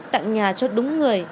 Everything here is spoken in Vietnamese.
tặng nhà cho đúng người